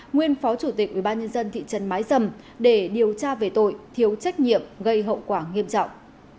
nguyên phó chủ tịch ubnd thị trấn mái dầm để điều tra về tội thiếu trách nhiệm gây hậu quả nghiêm trọng